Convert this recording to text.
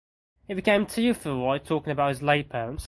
He became tearful while talking about his late parents.